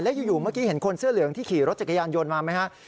แล้วอยู่เมื่อกี้เห็นคนเสื้อเหลืองที่ขี่รถจักรยานยนต์มาไหมฮะ